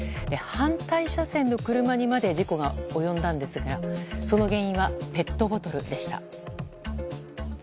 反対車線の車にまで事故が及んだんですがその原因はペットボトルでした。